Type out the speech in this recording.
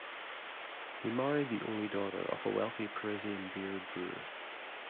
He married the only daughter of a wealthy Parisian beer brewer.